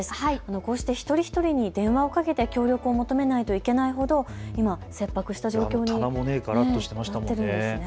こうして一人一人に電話をかけて協力を求めないといけないというほど切迫した状況になっているんですね。